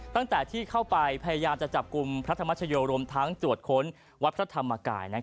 ตั้งแต่ที่เข้าไปพยายามจะจับกลุ่มพระธรรมชโยรวมทั้งตรวจค้นวัดพระธรรมกาย